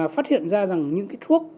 phát hiện ra những thuốc